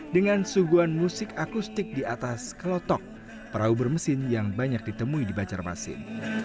dengan suguhan musik akustik di atas kelotok perahu bermesin yang banyak ditemui di banjarmasin